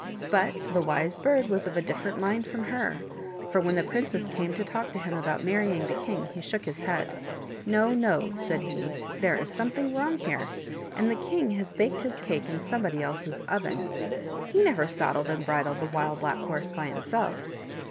But the Wise Bird was of a different mind from her, for when the princess came to talk to him about marrying the king he shook his head. " No, no," said he, " there is something wrong here, and the king has baked his cake in somebody else's oven. He never saddled and bridled the Wild Black Horse by himself.